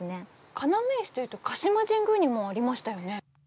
要石というと鹿島神宮にもありましたよね。